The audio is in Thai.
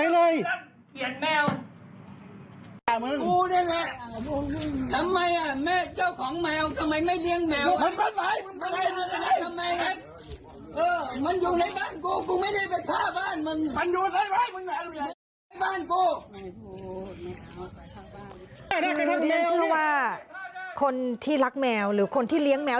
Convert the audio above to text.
ไม่รู้ว่าคนที่รักแมวหรือคนที่เลี้ยงแมว